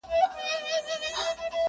قاضي و ویل حاضر کئ دا نا اهله.